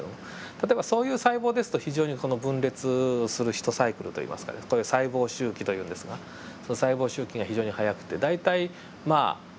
例えばそういう細胞ですと非常に分裂するひとサイクルといいますかこれ細胞周期というんですがその細胞周期が非常に早くて大体まあ１２時間もあればね。